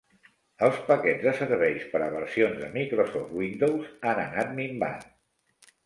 Els paquets de serveis per a versions de Microsoft Windows han anat minvant.